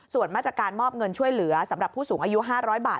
ส่วนมาตรการมอบเงินช่วยเหลือสำหรับผู้สูงอายุ๕๐๐บาท